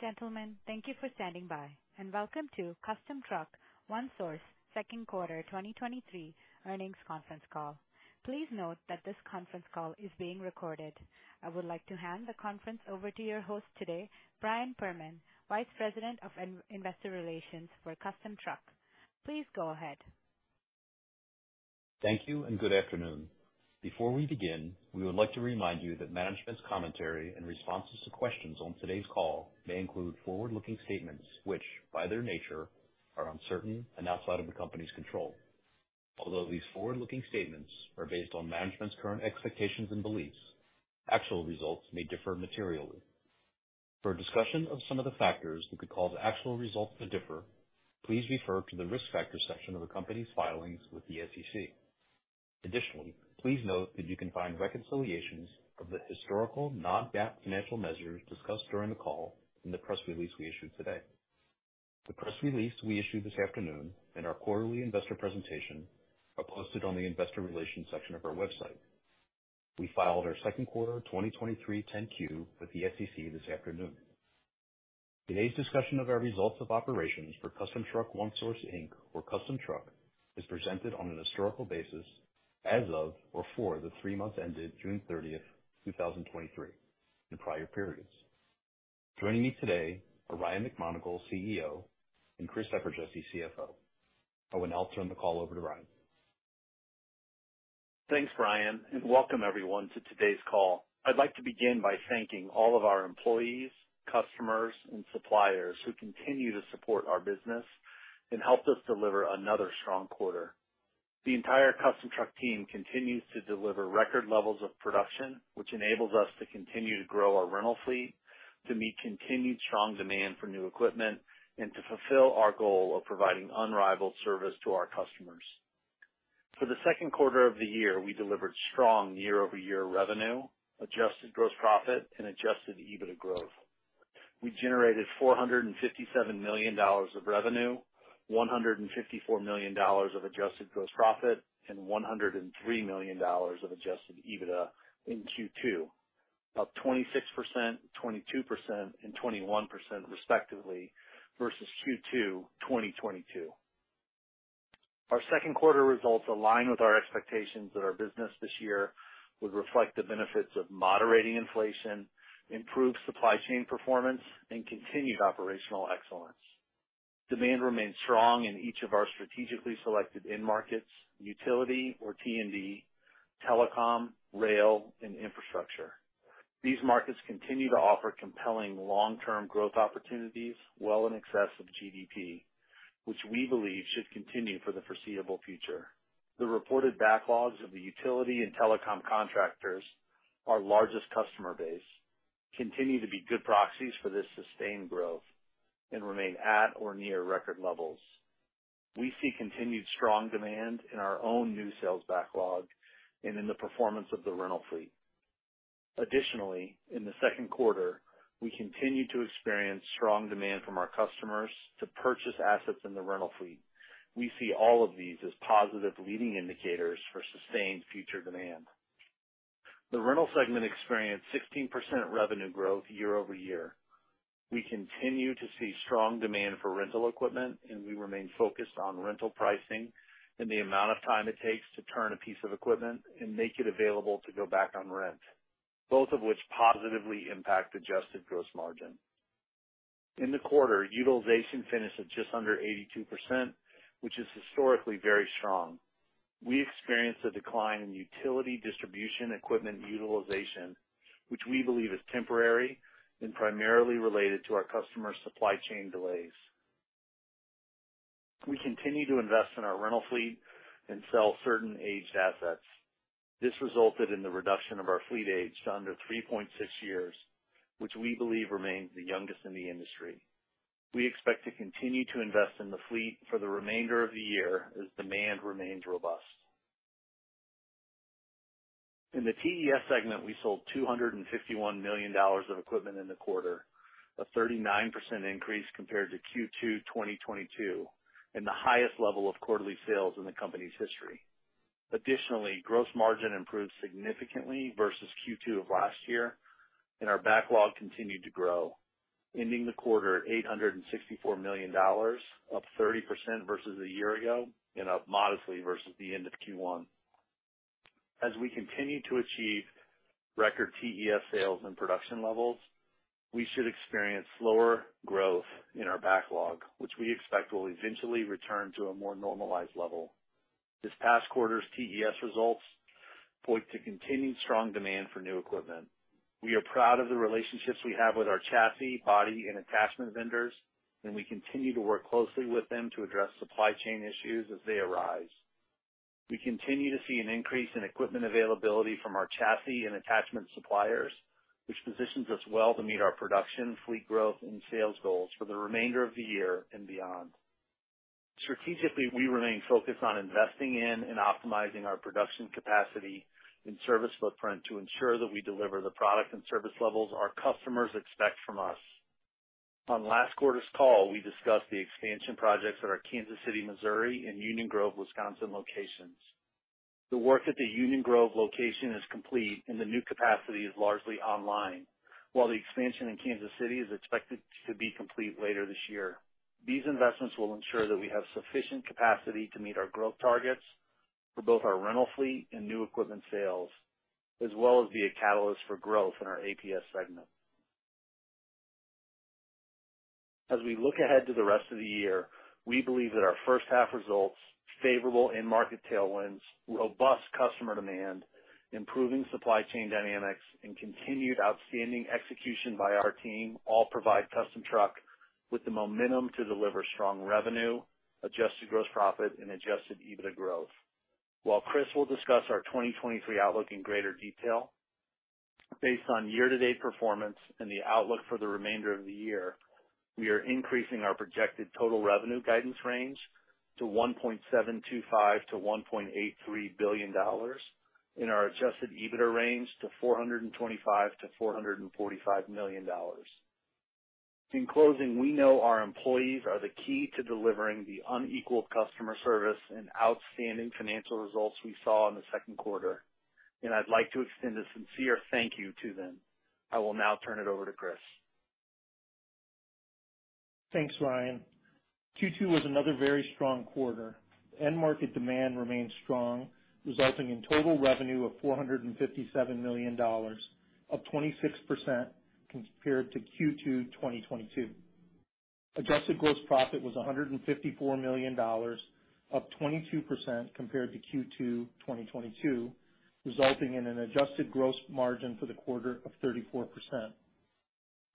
Gentlemen, thank you for standing by, and welcome to Custom Truck One Source Second Quarter 2023 Earnings Conference Call. Please note that this conference call is being recorded. I would like to hand the conference over to your host today, Brian Perman, Vice President of Investor Relations for Custom Truck. Please go ahead. Thank you, and good afternoon. Before we begin, we would like to remind you that management's commentary and responses to questions on today's call may include forward-looking statements, which by their nature, are uncertain and outside of the company's control. Although these forward-looking statements are based on management's current expectations and beliefs, actual results may differ materially. For a discussion of some of the factors that could cause actual results to differ, please refer to the risk factors section of the company's filings with the SEC. Additionally, please note that you can find reconciliations of the historical non-GAAP financial measures discussed during the call in the press release we issued today. The press release we issued this afternoon and our quarterly investor presentation are posted on the investor relations section of our website. We filed our second quarter 2023 10-Q with the SEC this afternoon. Today's discussion of our results of operations for Custom Truck One Source, Inc. or Custom Truck, is presented on an historical basis as of, or for the three months ended June 13th, 2023, and prior periods. Joining me today are Ryan McMonagle, CEO, and Chris Eperjesy, CFO. I will now turn the call over to Ryan. Thanks, Brian. Welcome everyone to today's call. I'd like to begin by thanking all of our employees, customers, and suppliers who continue to support our business and helped us deliver another strong quarter. The entire Custom Truck team continues to deliver record levels of production, which enables us to continue to grow our rental fleet, to meet continued strong demand for new equipment, and to fulfill our goal of providing unrivaled service to our customers. For the second quarter of the year, we delivered strong year-over-year revenue, adjusted gross profit and adjusted EBITDA growth. We generated $457 million of revenue, $154 million of adjusted gross profit, and $103 million of adjusted EBITDA in Q2, up 26%, 22%, and 21% respectively versus Q2, 2022. Our second-quarter results align with our expectations that our business this year would reflect the benefits of moderating inflation, improved supply chain performance, and continued operational excellence. Demand remains strong in each of our strategically selected end markets, utility or T&D, telecom, rail, and infrastructure. These markets continue to offer compelling long-term growth opportunities well in excess of GDP, which we believe should continue for the foreseeable future. The reported backlogs of the utility and telecom contractors, our largest customer base, continue to be good proxies for this sustained growth and remain at or near record levels. We see continued strong demand in our own new sales backlog and in the performance of the rental fleet. Additionally, in the second quarter, we continued to experience strong demand from our customers to purchase assets in the rental fleet. We see all of these as positive leading indicators for sustained future demand. The rental segment experienced 16% revenue growth year-over-year. We continue to see strong demand for rental equipment, and we remain focused on rental pricing, and the amount of time it takes to turn a piece of equipment and make it available to go back on rent, both of which positively impact adjusted gross margin. In the quarter, utilization finished at just under 82%, which is historically very strong. We experienced a decline in utility distribution equipment utilization, which we believe is temporary and primarily related to our customer supply chain delays. We continue to invest in our rental fleet and sell certain aged assets. This resulted in the reduction of our fleet age to under 3.6 years, which we believe remains the youngest in the industry. We expect to continue to invest in the fleet for the remainder of the year as demand remains robust. In the TES segment, we sold $251 million of equipment in the quarter, a 39% increase compared to Q2 2022 and the highest level of quarterly sales in the company's history. Additionally, gross margin improved significantly versus Q2 of last year, and our backlog continued to grow, ending the quarter at $864 million, up 30% versus a year ago and up modestly versus the end of Q1. As we continue to achieve record TES sales and production levels, we should experience slower growth in our backlog, which we expect will eventually return to a more normalized level. This past quarter's TES results point to continued strong demand for new equipment. We are proud of the relationships we have with our chassis, body, and attachment vendors, and we continue to work closely with them to address supply chain issues as they arise. We continue to see an increase in equipment availability from our chassis and attachment suppliers, which positions us well to meet our production, fleet growth, and sales goals for the remainder of the year and beyond. Strategically, we remain focused on investing in and optimizing our production capacity, and service footprint to ensure that we deliver the product and service levels our customers expect from us. On last quarter's call, we discussed the expansion projects at our Kansas City, Missouri, and Union Grove, Wisconsin locations. The work at the Union Grove location is complete, and the new capacity is largely online, while the expansion in Kansas City is expected to be complete later this year. These investments will ensure that we have sufficient capacity to meet our growth targets for both our rental fleet and new equipment sales, as well as be a catalyst for growth in our APS segment. As we look ahead to the rest of the year, we believe that our first-half results, favorable end-market tailwinds, robust customer demand, improving supply chain dynamics, and continued outstanding execution by our team all provide Custom Truck with the momentum to deliver strong revenue, adjusted gross profit, and adjusted EBITDA growth. While Chris will discuss our 2023 outlook in greater detail, based on year-to-date performance and the outlook for the remainder of the year, we are increasing our projected total revenue guidance range to $1.725 billion-$1.83 billion, and our adjusted EBITDA range to $425 million-$445 million. In closing, we know our employees are the key to delivering the unequaled customer service, and outstanding financial results we saw in the second quarter. I'd like to extend a sincere thank you to them. I will now turn it over to Chris. Thanks, Ryan. Q2 was another very strong quarter. End market demand remained strong, resulting in total revenue of $457 million, up 26% compared to Q2 2022. Adjusted gross profit was $154 million, up 22% compared to Q2 2022, resulting in an adjusted gross margin for the quarter of 34%.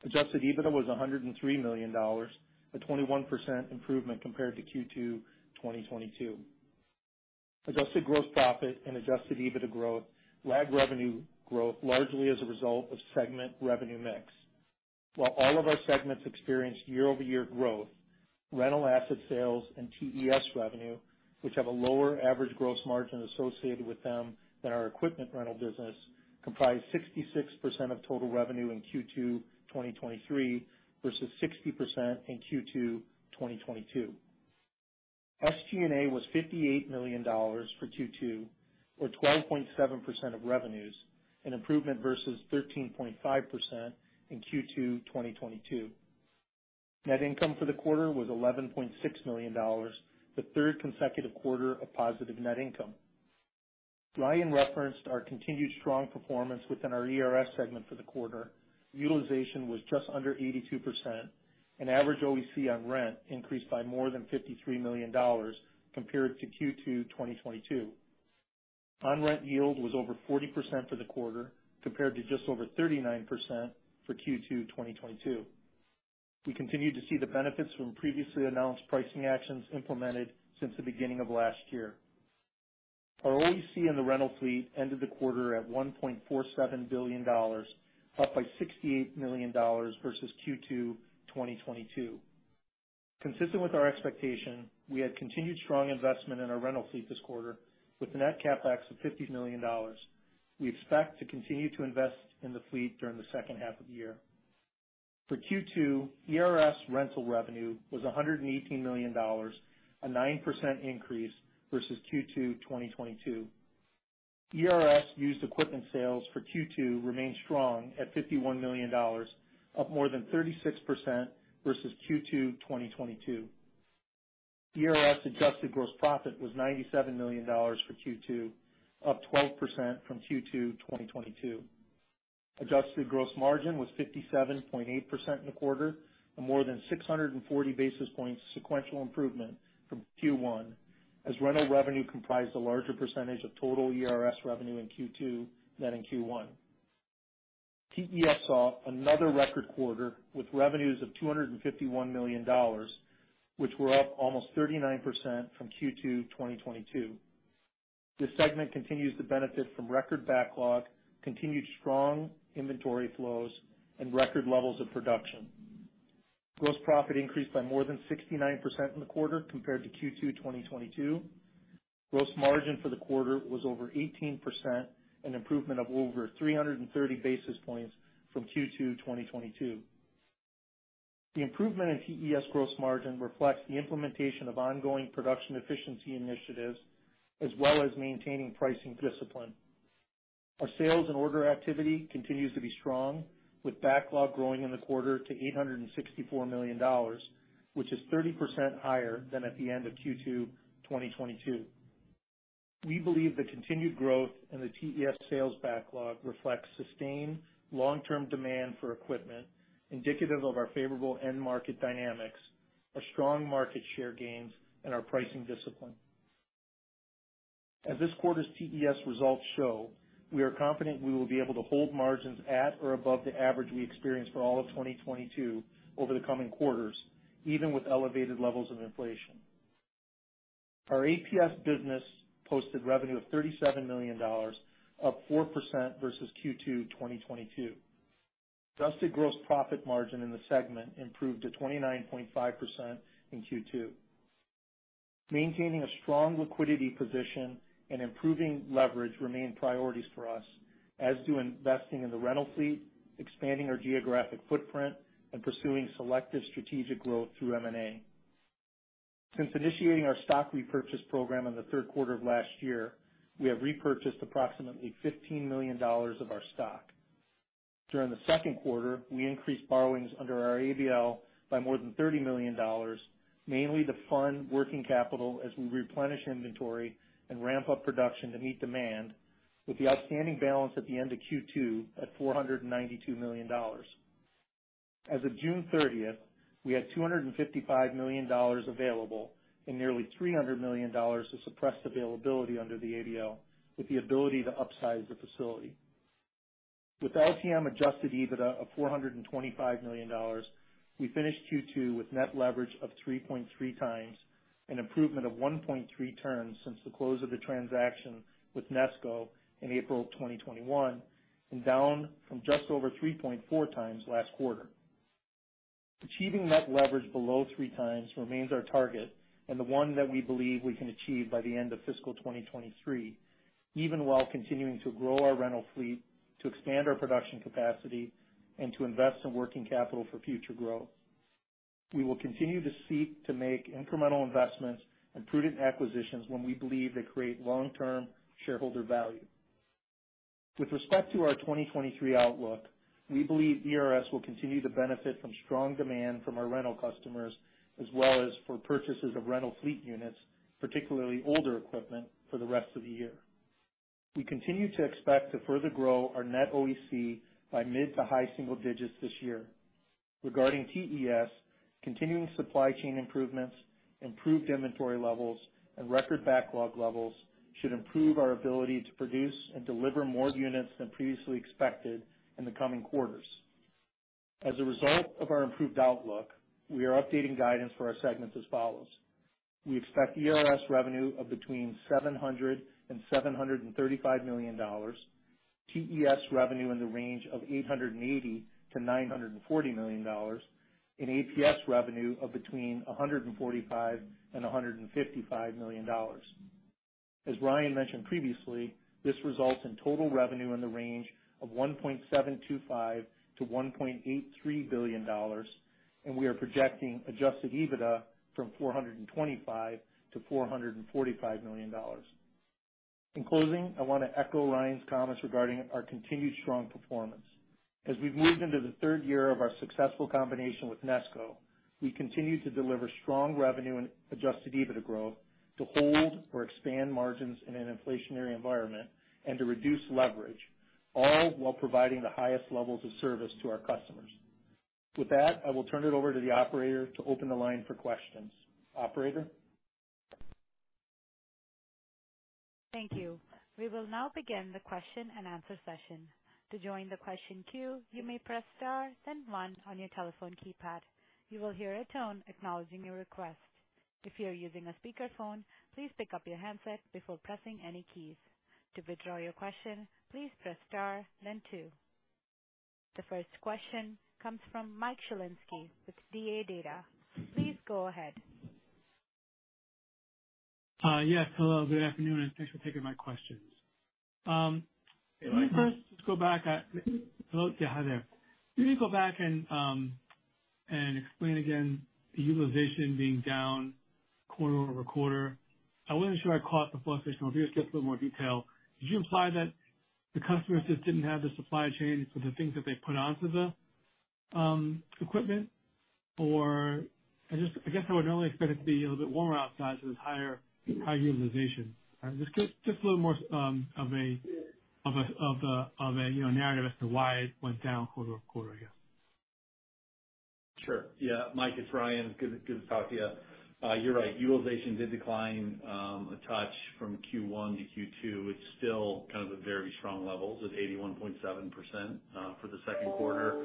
Adjusted EBITDA was $103 million, a 21% improvement compared to Q2 2022. Adjusted gross profit and adjusted EBITDA growth lagged revenue growth largely as a result of segment revenue mix. While all of our segments experienced year-over-year growth, rental asset sales and TES revenue, which have a lower average gross margin associated with them than our equipment rental business, comprised 66% of total revenue in Q2 2023 versus 60% in Q2 2022. SG&A was $58 million for Q2 or 12.7% of revenues, an improvement versus 13.5% in Q2 2022. Net income for the quarter was $11.6 million, the third consecutive quarter of positive net income. Ryan referenced our continued strong performance within our ERS segment for the quarter. Utilization was just under 82%, and average OEC on rent increased by more than $53 million compared to Q2 2022. On-rent yield was over 40% for the quarter, compared to just over 39% for Q2 2022. We continued to see the benefits from previously announced pricing actions implemented since the beginning of last year. Our OEC in the rental fleet ended the quarter at $1.47 billion, up by $68 million versus Q2 2022. Consistent with our expectation, we had continued strong investment in our rental fleet this quarter with a net CapEx of $50 million. We expect to continue to invest in the fleet during the second half of the year. For Q2, ERS rental revenue was $118 million, a 9% increase versus Q2 2022. ERS used equipment sales for Q2 remained strong at $51 million, up more than 36% versus Q2 2022. ERS adjusted gross profit was $97 million for Q2, up 12% from Q2 2022. Adjusted gross margin was 57.8% in the quarter, a more than 640 basis points sequential improvement from Q1, as rental revenue comprised a larger percentage of total ERS revenue in Q2 than in Q1. TES saw another record quarter, with revenues of $251 million, which were up almost 39% from Q2 2022. This segment continues to benefit from record backlog, continued strong inventory flows, and record levels of production. Gross profit increased by more than 69% in the quarter compared to Q2 2022. Gross margin for the quarter was over 18%, an improvement of over 330 basis points from Q2 2022. The improvement in TES gross margin reflects the implementation of ongoing production efficiency initiatives, as well as maintaining pricing discipline. Our sales and order activity continues to be strong, with backlog growing in the quarter to $864 million, which is 30% higher than at the end of Q2 2022. We believe the continued growth in the TES sales backlog reflects sustained long-term demand for equipment, indicative of our favorable end market dynamics, our strong market share gains, and our pricing discipline. As this quarter's TES results show, we are confident we will be able to hold margins at or above the average we experienced for all of 2022 over the coming quarters, even with elevated levels of inflation. Our APS business posted revenue of $37 million, up 4% versus Q2 2022. Adjusted gross profit margin in the segment improved to 29.5% in Q2. Maintaining a strong liquidity position and improving leverage remain priorities for us, as do investing in the rental fleet, expanding our geographic footprint, and pursuing selective strategic growth through M&A. Since initiating our stock repurchase program in the third quarter of last year, we have repurchased approximately $15 million of our stock. During the second quarter, we increased borrowings under our ABL by more than $30 million, mainly to fund working capital as we replenish inventory and ramp up production to meet demand, with the outstanding balance at the end of Q2 at $492 million. As of June 30th, we had $255 million available and nearly $300 million of suppressed availability under the ABL, with the ability to upsize the facility. With LTM adjusted EBITDA of $425 million, we finished Q2 with net leverage of 3.3x, an improvement of 1.3 turns since the close of the transaction with Nesco in April of 2021, and down from just over 3.4x last quarter. Achieving net leverage below 3x remains our target and the one that we believe we can achieve by the end of fiscal 2023, even while continuing to grow our rental fleet, to expand our production capacity, and to invest in working capital for future growth. We will continue to seek to make incremental investments, and prudent acquisitions when we believe they create long-term shareholder value. With respect to our 2023 outlook, we believe ERS will continue to benefit from strong demand from our rental customers, as well as for purchases of rental fleet units, particularly older equipment, for the rest of the year. We continue to expect to further grow our net OEC by mid to high single digits this year. Regarding TES, continuing supply chain improvements, improved inventory levels, and record backlog levels should improve our ability to produce and deliver more units than previously expected in the coming quarters. As a result of our improved outlook, we are updating guidance for our segments as follows, we expect ERS revenue of between $700 million and $735 million, TES revenue in the range of $880 million-$940 million, and APS revenue of between $145 million and $155 million. As Ryan mentioned previously, this results in total revenue in the range of $1.725 billion-$1.83 billion, and we are projecting adjusted EBITDA from $425 million-$445 million. In closing, I want to echo Ryan's comments regarding our continued strong performance. As we've moved into the third year of our successful combination with Nesco, we continue to deliver strong revenue and adjusted EBITDA growth to hold or expand margins in an inflationary environment and to reduce leverage, all while providing the highest levels of service to our customers. With that, I will turn it over to the operator to open the line for questions. Operator? Thank you. We will now begin the question-and-answer session. To join the question queue, you may press star, then one on your telephone keypad. You will hear a tone acknowledging your request. If you are using a speakerphone, please pick up your handset before pressing any keys. To withdraw your question, please press star then two. The first question comes from Michael Shlisky with D.A. [Davidson]. Please go ahead. Yes. Hello, good afternoon, and thanks for taking my questions. Hey, Mike. Let me first just go back. Hello? Yeah, hi there. Let me go back and explain again the utilization being down quarter-over-quarter. I wasn't sure I caught the fluctuation. If you could just give a little more detail, did you imply that the customers just didn't have the supply chain for the things that they put onto the equipment? Or I guess I would normally expect it to be a little bit warmer outside, so it's higher utilization. Just a little more of a, you know, narrative as to why it went down quarter-over-quarter, I guess? Sure. Mike, it's Ryan. Good to talk to you. You're right, utilization did decline a touch from Q1 to Q2. It's still kind of at very strong levels, at 81.7% for the second quarter.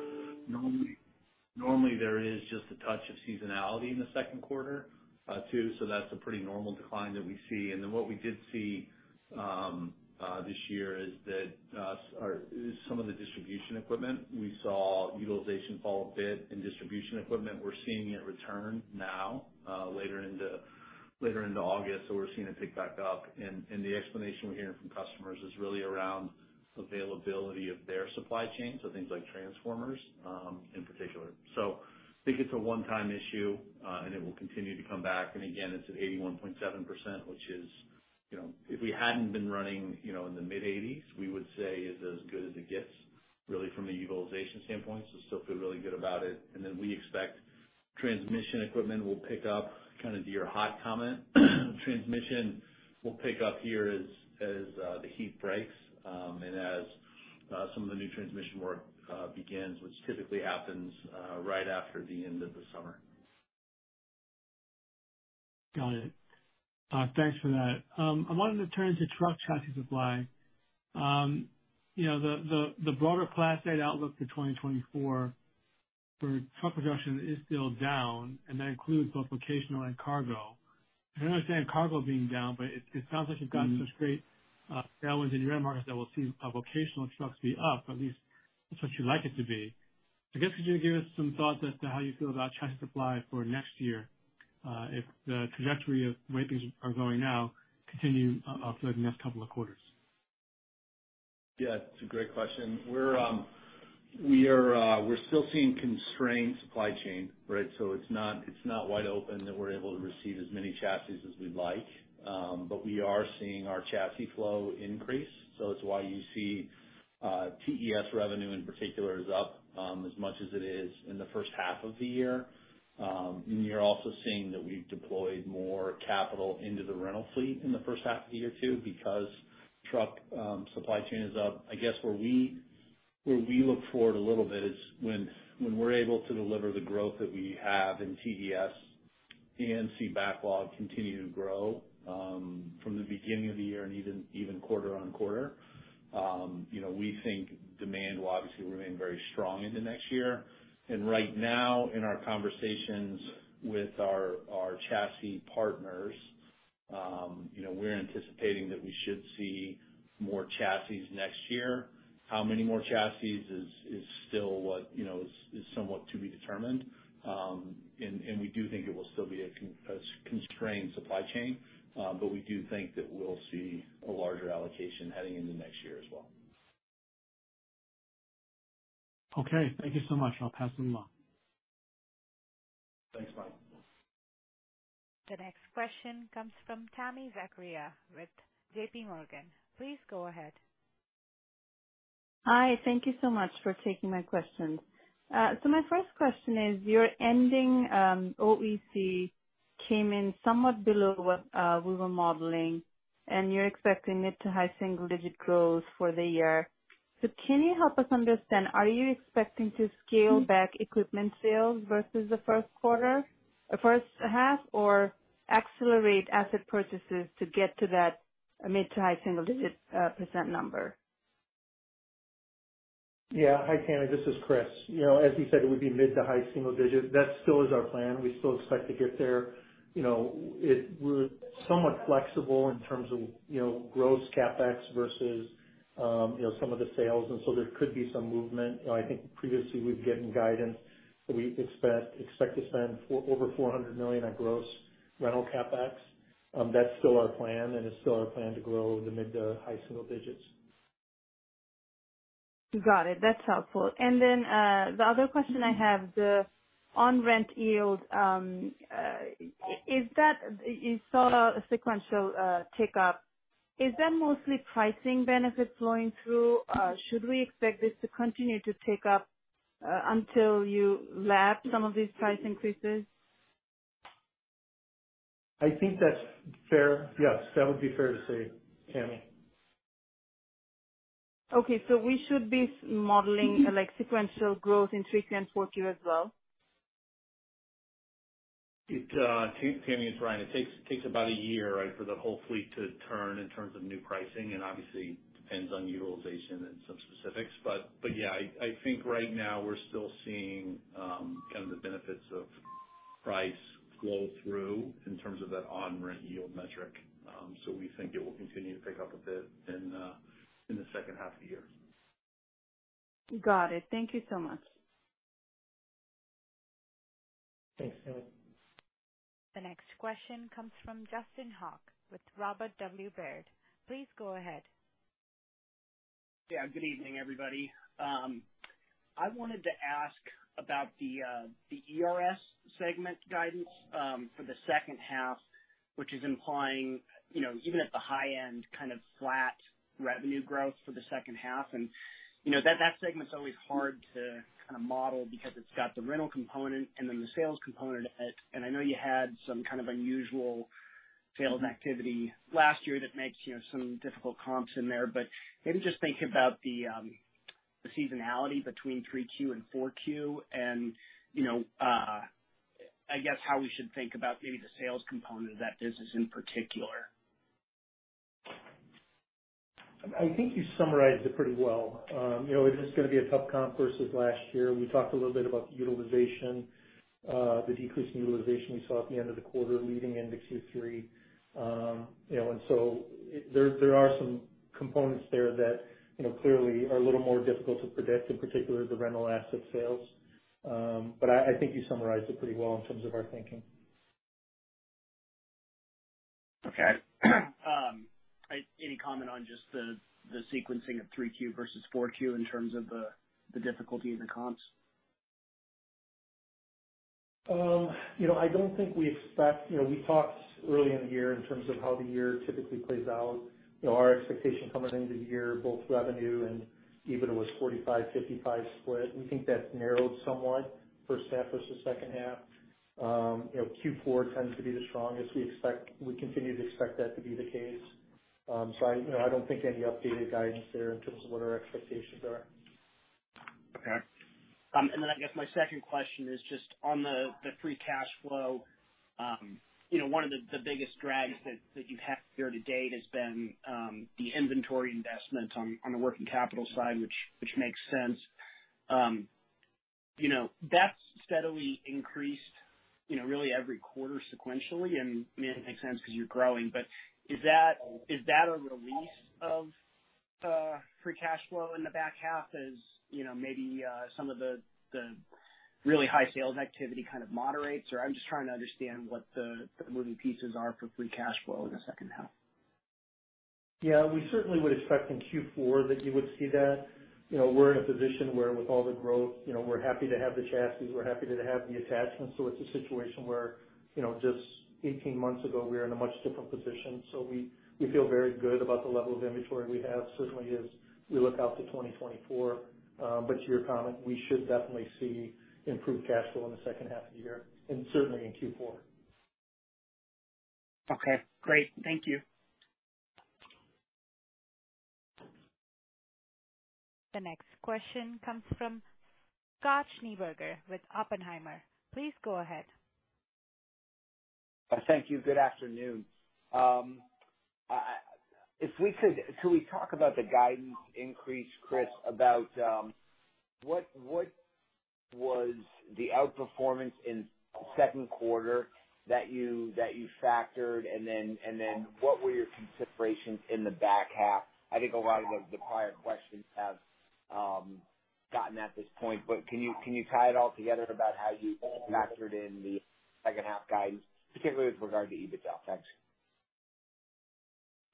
Normally, there is just a touch of seasonality in the second quarter too, so that's a pretty normal decline that we see. What we did see this year is some of the distribution equipment. We saw utilization fall a bit in distribution equipment. We're seeing it return now, later into August. We're seeing it pick back up. The explanation we're hearing from customers is really around availability of their supply chain, so things like transformers in particular. I think it's a one-time issue, and it will continue to come back. Again, it's at 81.7%, which is, you know, if we hadn't been running, you know, in the mid-80s, we would say is as good as it gets, really from a utilization standpoint. Still feel really good about it. Then we expect transmission equipment will pick up, kind of to your hot comment. Transmission will pick up here the heat breaks, and as some of the new transmission work begins, which typically happens right after the end of the summer. Got it. Thanks for that. I wanted to turn to truck chassis supply. You know, the broader Class 8 outlook for 2024 for truck production is still down, and that includes both vocational and cargo. I understand cargo being down, but it sounds like you've got such great balance in your markets that we'll see vocational trucks be up. At least that's what you'd like it to be. I guess, could you give us some thoughts as to how you feel about chassis supply for next year, if the trajectory of the way things are going now continue upwards in the next couple of quarters? Yeah, it's a great question. We're still seeing constrained supply chain, right? It's not wide open that we're able to receive as many chassis as we'd like. We are seeing our chassis flow increase, so that's why you see TES revenue in particular is up as much as it is in the first half of the year. You're also seeing that we've deployed more capital into the rental fleet in the first half of the year too, because truck supply chain is up. I guess where we look forward a little bit is when we're able to deliver the growth that we have in TES, and see backlog continue to grow from the beginning of the year and even quarter on quarter. You know, we think demand will obviously remain very strong into next year. Right now, in our conversations with our chassis partners, you know, we're anticipating that we should see more chassis next year. How many more chassis, you know, is somewhat to be determined. We do think it will still be a constrained supply chain, but we do think that we'll see a larger allocation heading into next year as well. Okay, thank you so much. I'll pass in line. Thanks, Mike. The next question comes from Tami Zakaria with JPMorgan. Please go ahead. Hi, thank you so much for taking my questions. My first question is, your ending OEC came in somewhat below what we were modeling, and you're expecting it to high single-digit growth for the year. Can you help us understand, are you expecting to scale back equipment sales versus the first quarter or first half, or accelerate asset purchases to get to that mid to high single-digit percent number? Yeah. Hi, Tami. This is Chris. You know, as you said, it would be mid to high single digit. That still is our plan. We still expect to get there. You know, we're somewhat flexible in terms of, you know, gross CapEx versus, you know, some of the sales. There could be some movement. I think previously, we've given guidance that we expect to spend over $400 million on gross rental CapEx. That's still our plan. It's still our plan to grow in the mid to high single digits. Got it. That's helpful. The other question I have, the on-rent yield, you saw a sequential tick up. Is that mostly pricing benefits flowing through? Should we expect this to continue to tick up until you lap some of these price increases? I think that's fair. Yes, that would be fair to say, Tami. Okay, so we should be modeling sequential growth in 3Q and 4Q as well? Tami, it's Ryan. It takes about a year for the whole fleet to turn in terms of new pricing, and obviously depends on utilization and some specifics. Yeah, I think right now we're still seeing kind of the benefits of price flow through in terms of that on-rent yield metric. We think it will continue to pick up a bit in the second half of the year. Got it. Thank you so much. Thanks, Tami. The next question comes from Justin Hauke with Robert W. Baird. Please go ahead. Yeah. Good evening, everybody. I wanted to ask about the ERS segment guidance for the second half, which is implying, you know, even at the high end, kind of flat revenue growth for the second half. You know, that segment's always hard to kind of model, because it's got the rental component and then the sales component. I know you had some kind of unusual sales activity last year that makes, you know, some difficult comps in there. Maybe just think about the seasonality between 3Q and 4Q, and you know, I guess how we should think about maybe the sales component of that business in particular. I think you summarized it pretty well. You know, it is going to be a tough comp versus last year. We talked a little bit about the utilization, the decrease in utilization we saw at the end of the quarter leading into Q3. You know, and so there are some components there that, you know, clearly are a little more difficult to predict, in particular the rental asset sales. I think you summarized it pretty well in terms of our thinking. Okay. Any comment on just the sequencing of 3Q versus 4Q in terms of the difficulty in the comps? You know, we talked early in the year in terms of how the year typically plays out. You know, our expectation coming into the year, both revenue and EBITDA was 45/55 split. We think that's narrowed somewhat, first half versus second half. You know, Q4 tends to be the strongest. We continue to expect that to be the case. You know, I don't think there are any updated guidance there in terms of what our expectations are. Okay. Then I guess my second question is just on the free cash flow. You know, one of the biggest drags that you've had year to date has been the inventory investment on the working capital side, which makes sense. You know, that's steadily increased, you know, really every quarter sequentially. I mean, that makes sense because you're growing. Is that a release of free cash flow in the back half as, you know, maybe some of the really high sales activity kind of moderates? I'm just trying to understand what the moving pieces are for free cash flow in the second half. Yeah, we certainly would expect in Q4 that you would see that. You know, we're in a position where, with all the growth, you know, we're happy to have the chassis, we're happy to have the attachments. It's a situation where, you know, just 18 months ago, we were in a much different position. We feel very good about the level of inventory we have, certainly as we look out to 2024. To your comment, we should definitely see improved cash flow in the second half of the year and certainly in Q4. Okay, great. Thank you. The next question comes from Scott Schneeberger with Oppenheimer. Please go ahead. Thank you. Good afternoon. If we could, could we talk about the guidance increase, Chris, about, what was the outperformance in second quarter that you factored? What were your considerations in the back half? I think a lot of the prior questions have gotten at this point, can you tie it all together about how you factored in the second half guidance, particularly with regard to EBITDA? Thanks.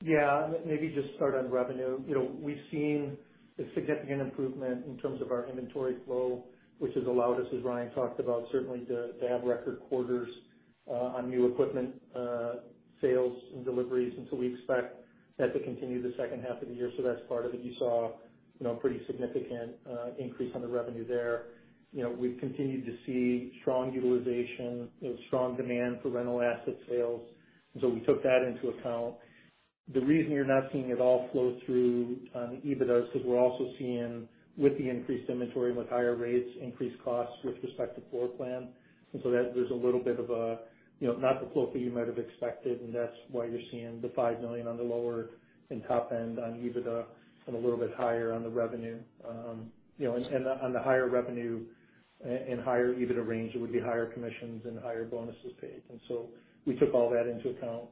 Yeah, maybe just start on revenue. You know, we've seen a significant improvement in terms of our inventory flow, which has allowed us, as Ryan talked about, certainly to have record quarters, on new equipment, sales and deliveries, and so we expect that to continue the second half of the year. That's part of it. You saw, you know, a pretty significant increase on the revenue there. You know, we've continued to see strong utilization and strong demand for rental asset sales, and so we took that into account. The reason you're not seeing it all flow through on the EBITDA is because we're also seeing, with the increased inventory, with higher rates, increased costs with respect to floor plan. There's a little bit of, you know, not the flow through you might have expected, and that's why you're seeing the $5 million on the lower and top end on EBITDA, and a little bit higher on the revenue. You know, and on the higher revenue and higher EBITDA range, it would be higher commissions and higher bonuses paid. We took all that into account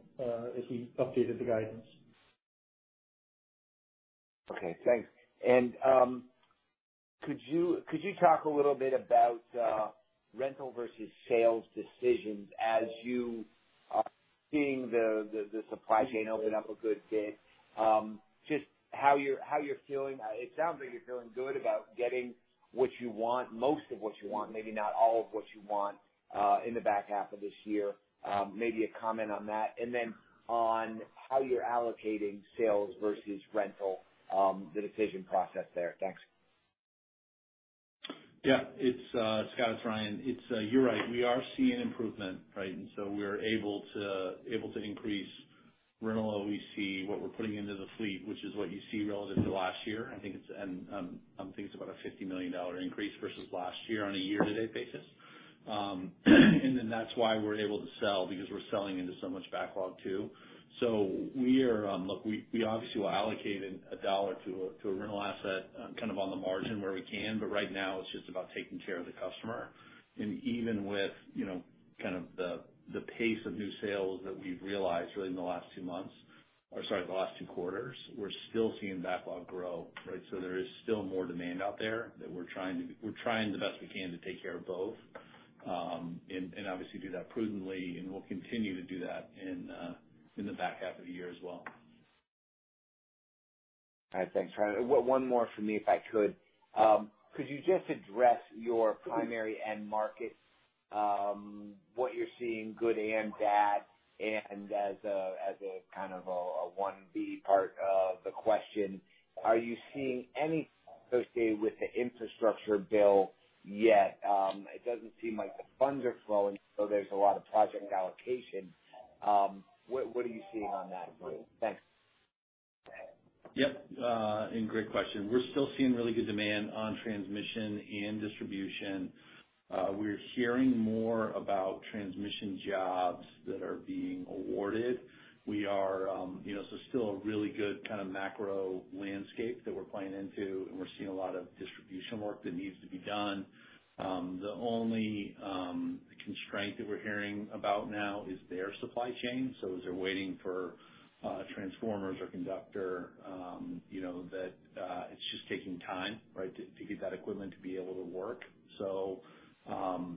as we updated the guidance. Okay, thanks. Could you talk a little bit about rental versus sales decisions as you are seeing the supply chain open up a good bit? Just how you're feeling. It sounds like you're feeling good about getting what you want, most of what you want, maybe not all of what you want in the back half of this year. Maybe a comment on that, and then on how you're allocating sales versus rental, the decision process there. Thanks. Yeah. Scott, it's Ryan. You're right, we are seeing improvement, right? We're able to increase rental OEC, what we're putting into the fleet, which is what you see relative to last year. I think it's about a $50 million increase versus last year on a year-to-date basis. That's why we're able to sell, because we're selling into so much backlog too. Look, we obviously will allocate a dollar to a rental asset, kind of on the margin where we can, but right now it's just about taking care of the customer. Even with, you know, kind of the pace of new sales that we've realized really in the last two quarters, we're still seeing backlog grow, right? There is still more demand out there, we're trying the best we can to take care of both, and obviously do that prudently and we'll continue to do that in the back half of the year as well. All right. Thanks, Ryan. One more from me, if I could. Could you just address your primary end markets, what you're seeing, good and bad, and as a kind of a 1B part of the question, are you seeing any pushback with the infrastructure bill yet? It doesn't seem like the funds are flowing, so there's a lot of project allocation. What are you seeing on that front? Thanks. Yep, great question. We're still seeing really good demand on transmission and distribution. We're hearing more about transmission jobs that are being awarded. We are, you know, still a really good kind of macro landscape that we're playing into, and we're seeing a lot of distribution work that needs to be done. The only constraint that we're hearing about now is their supply chain, so as they're waiting for transformers or conductor, you know, that it's just taking time, right, to get that equipment to be able to work.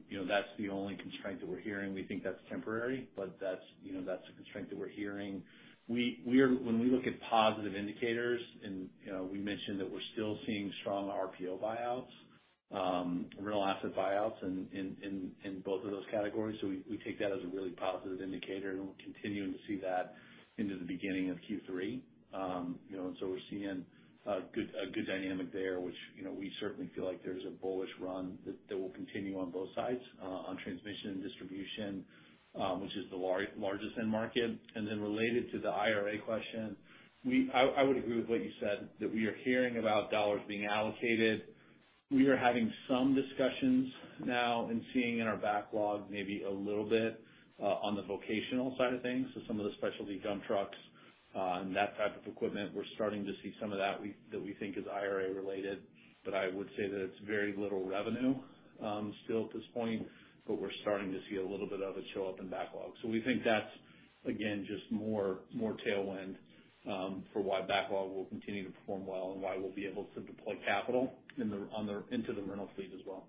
You know, that's the only constraint that we're hearing. We think that's temporary, but you know, that's the constraint that we're hearing. When we look at positive indicators, you know, we mentioned that we're still seeing strong RPO buyouts, rental asset buyouts in both of those categories. We take that as a really positive indicator, and we're continuing to see that into the beginning of Q3. You know, we're seeing a good dynamic there, which, you know, we certainly feel like there's a bullish run that will continue on both sides on transmission and distribution, which is the largest end market. Related to the IRA question, I would agree with what you said, that we are hearing about dollars being allocated. We are having some discussions now, and seeing in our backlog maybe a little bit on the vocational side of things. Some of the specialty dump trucks and that type of equipment, we're starting to see some of that, that we think is IRA related, but I would say that it's very little revenue still at this point, but we're starting to see a little bit of it show up in backlog. We think that's again, just more tailwind for why backlog will continue to perform well and why we'll be able to deploy capital into the rental fleet as well.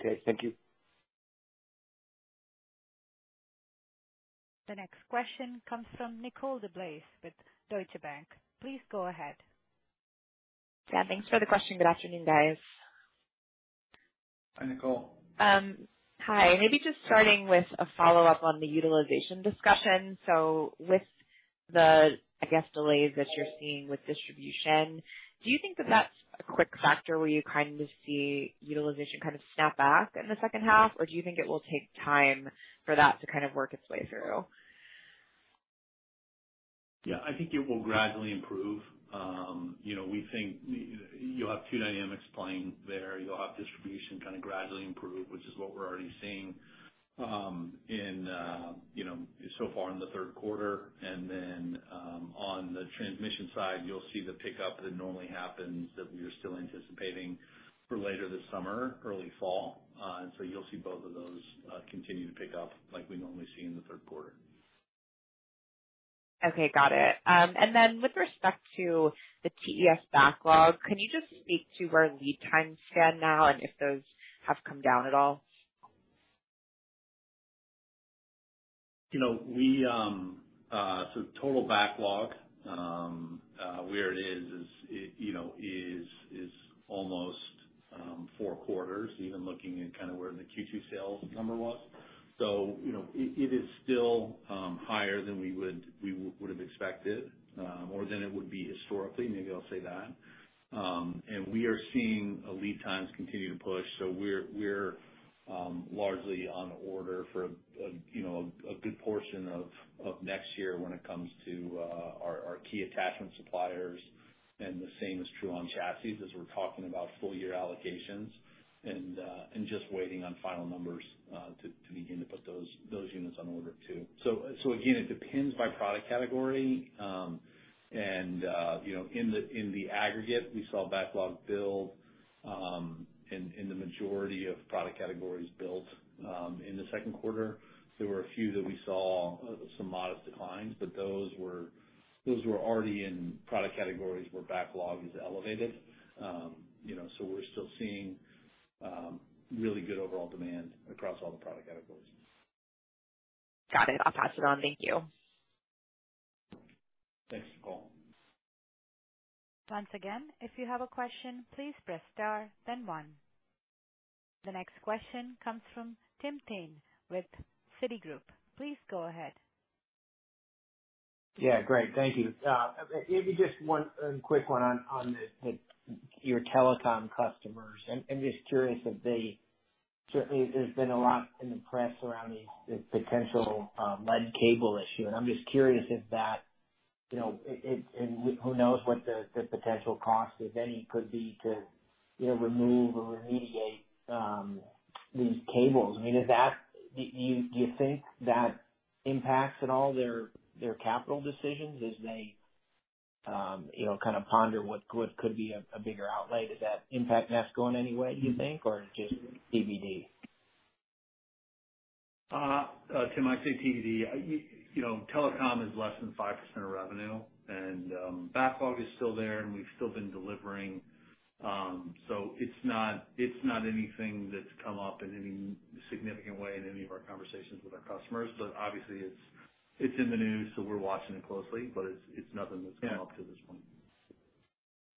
Okay, thank you. The next question comes from Nicole DeBlase with Deutsche Bank. Please go ahead. Yeah, thanks for the question. Good afternoon, guys. Hi, Nicole. Hi. Maybe just starting with a follow-up on the utilization discussion. With the, I guess, delays that you're seeing with distribution, do you think that that's a quick factor where you kind of see utilization kind of snap back in the second half? Or do you think it will take time for that to kind of work its way through? Yeah, I think it will gradually improve. You know, we think you'll have two dynamics playing there. You'll have distribution kind of gradually improve, which is what we're already seeing, you know, so far in the third quarter. Then, on the transmission side, you'll see the pickup that normally happens that we are still anticipating for later this summer, early fall. You'll see both of those continue to pick up like we normally see in the third quarter. Okay, got it. Then with respect to the TES backlog, can you just speak to where lead times stand now, and if those have come down at all? You know, total backlog, where it, you know, is almost four quarters, even looking at kind of where the Q2 sales number was. You know, it is still higher than we would have expected, or than it would be historically, maybe I'll say that. We are seeing lead times continue to push. We're largely on order for, you know, a good portion of next year when it comes to our key attachment suppliers. The same is true on chassis, as we're talking about full year allocations and just waiting on final numbers to begin to put those units on order too. Again, it depends by product category. You know, in the aggregate, we saw backlog build in the majority of product categories built in the second quarter. There were a few that we saw some modest declines, but those were already in product categories where backlog is elevated. You know, so we're still seeing really good overall demand across all the product categories. Got it. I'll pass it on. Thank you. Thanks, Nicole. Once again, if you have a question, please press star, then one. The next question comes from Tim Thein with Citigroup. Please go ahead. Yeah, great. Thank you. Maybe just one quick one on your telecom customers. Certainly, there's been a lot in the press around the potential, lead cable issue, and I'm just curious, and who knows what the potential cost, if any, could be to, you know, remove or remediate, these cables. I mean, do you think that impacts at all their capital decisions as they, you know, kind of ponder what could be a bigger outlay? Does that impact Nesco in any way, do you think or is it just PVD? Tim, I'd say PVD. You know, telecom is less than 5% of revenue and backlog is still there, and we've still been delivering. It's not anything that's come up in any significant way in any of our conversations with our customers. Obviously, it's in the news, so we're watching it closely, but it's nothing that's come up to this point.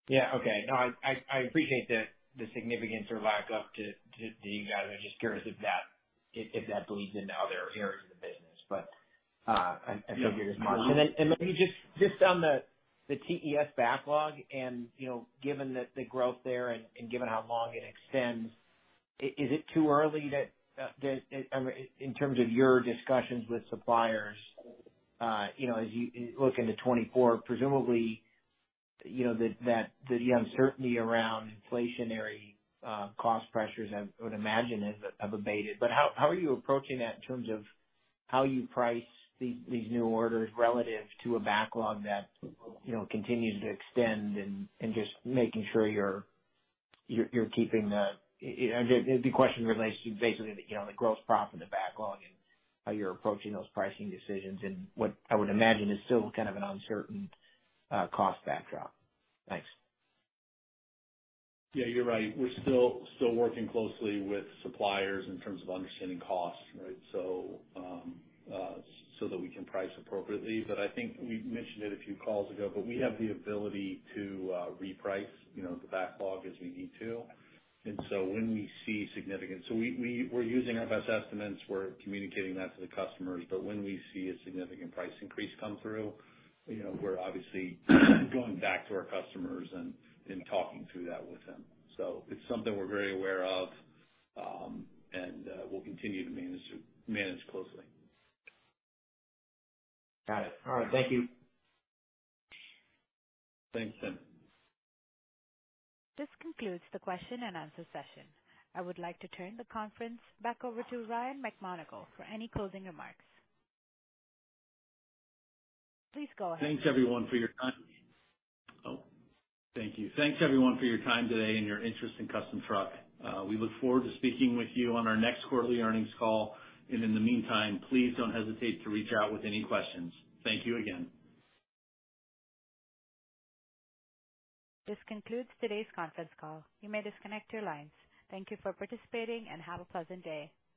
Yeah, okay. No, I appreciate the significance or lack of the evaluation. Just curious if that bleeds into other areas of the business. Yeah. Then, just on the TES backlog and you know, given the growth there and given how long it extends, is it too early, I mean, in terms of your discussions with suppliers, you know, as you look into 2024, presumably, you know, the uncertainty around inflationary cost pressures, I would imagine have abated. How are you approaching that in terms of how you price these new orders relative to a backlog that, you know, continues to extend and I mean, the question relates to basically, you know, the gross profit, the backlog, and how you're approaching those pricing decisions and what I would imagine is still kind of an uncertain cost backdrop? Thanks. Yeah, you're right. We're still working closely with suppliers in terms of understanding costs, right? so that we can price appropriately. I think we've mentioned it a few calls ago, but we have the ability to reprice, you know, the backlog as we need to. We're using our best estimates, we're communicating that to the customers, but when we see a significant price increase come through, you know, we're obviously going back to our customers and talking through that with them. It's something we're very aware of, and we'll continue to manage, manage closely. Got it. All right. Thank you. Thanks, Tim. This concludes the question-and-answer session. I would like to turn the conference back over to Ryan McMonagle for any closing remarks. Please go ahead. Thanks, everyone for your time. Oh, thank you. Thanks, everyone for your time today and your interest in Custom Truck. We look forward to speaking with you on our next quarterly earnings call, and in the meantime, please don't hesitate to reach out with any questions. Thank you again. This concludes today's conference call. You may disconnect your lines. Thank you for participating, and have a pleasant day.